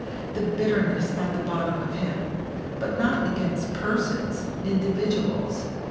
the bitterness at the bottom of him. But not against persons individuals.